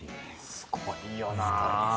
すごいよな。